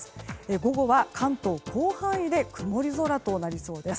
午後は関東は広範囲で曇り空となりそうです。